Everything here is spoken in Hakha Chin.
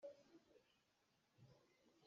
A bia cu nawlhcip in a nawlh.